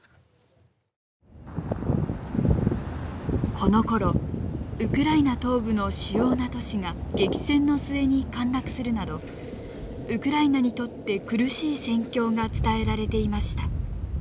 このころウクライナ東部の主要な都市が激戦の末に陥落するなどウクライナにとって苦しい戦況が伝えられていました。